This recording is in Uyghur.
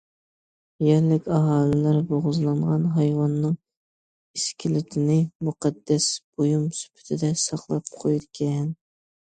يەرلىك ئاھالىلەر بوغۇزلانغان ھايۋاننىڭ ئىسكىلىتىنى مۇقەددەس بۇيۇم سۈپىتىدە ساقلاپ قويىدىكەن.